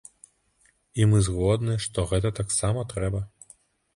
І мы згодныя, што гэта таксама трэба.